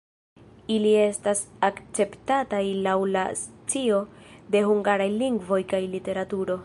Ili estas akceptataj laŭ la scio de hungaraj lingvo kaj literaturo.